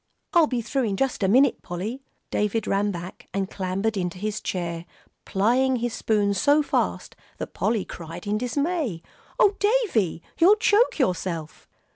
"I'll be through in just a minute, Polly." David ran back and clambered into his chair, plying his spoon so fast that Polly cried in dismay, "Oh, Davie, you'll choke yourself!"